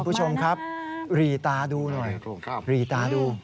พี่ผู้ชมครับรีตาดูหน่อยรีตาดู